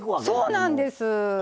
そうなんです。